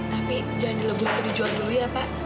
tapi jangan di lobo itu dijual dulu ya pak